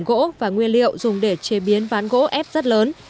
gỗ và nguyên liệu dùng để chế biến ván gỗ ép rất lớn